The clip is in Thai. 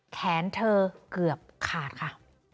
เธอเกือบขาดค่ะ